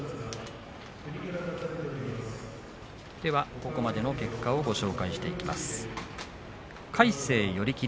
ここまでの結果をご紹介していきます。